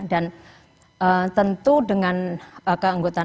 dan tentu dengan keanggotaan